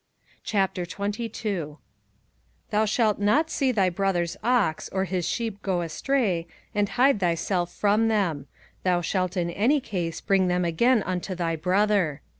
05:022:001 Thou shalt not see thy brother's ox or his sheep go astray, and hide thyself from them: thou shalt in any case bring them again unto thy brother.